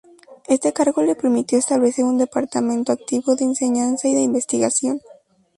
Este cargo le permitió establecer un departamento activo de enseñanza y de investigación.